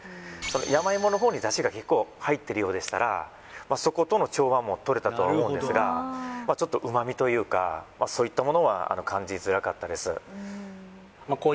山芋の方に出汁が結構入ってるようでしたらそことの調和も取れたとは思うんですがちょっと旨みというかそういったものは感じづらかったです